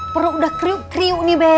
perut udah kriuk kriuk nih be